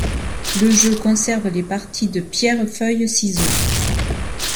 Le jeu conserve les parties de pierre-feuille-ciseau.